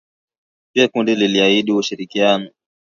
Pia kundi liliahidi ushirikiano